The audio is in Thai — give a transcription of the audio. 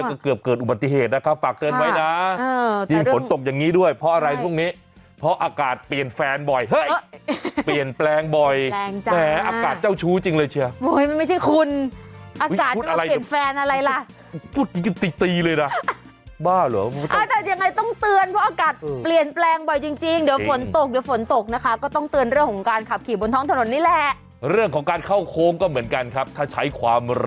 โอ้โหหน้าที่ชีวิตนะคุณชิสา